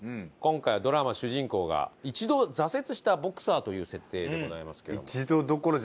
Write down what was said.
今回はドラマ主人公が一度挫折したボクサーという設定でございますけども。